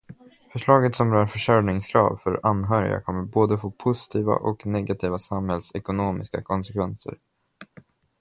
Förslaget som rör försörjningskrav för anhöriga kommer både få positiva och negativa samhällsekonomiska konsekvenser.